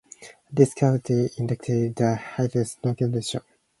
This category indicates the Highest Recommendation.